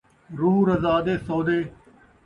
روح رضا دے سودے